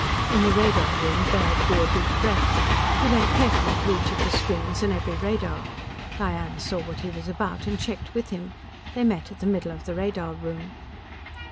_" In the radar room, Baird drew a deep breath. He went carefully to each of the screens and every radar. Diane saw what he was about, and checked with him. They met at the middle of the radar room.